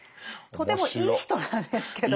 とてもいい人なんですけどなぜか。